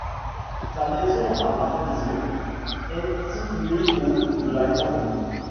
Sa maison à Barbizon est située au de la Grande Rue.